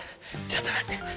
ちょっと待って。